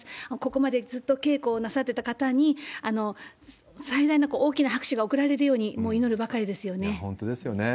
ここまでずっと稽古をなさってた方に、最大の大きな拍手が送られるように、もう祈るばかりですよね。